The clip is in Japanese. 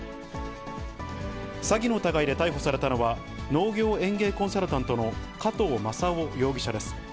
詐欺の疑いで逮捕されたのは、農業園芸コンサルタントの加藤正夫容疑者です。